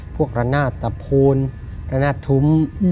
พวกรันหน้าตะโพนรันหน้าถุ้ม